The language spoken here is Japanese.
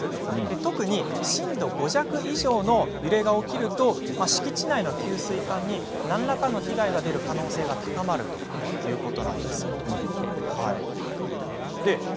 特に震度５弱以上の揺れが起きると敷地内の給水管に何らかの被害がある可能性が高まるということなんです。